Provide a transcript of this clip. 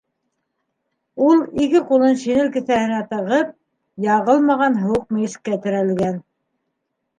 Ул, ике ҡулын шинель кеҫәһенә тығып, яғылмаған һыуыҡ мейескә терәлгән.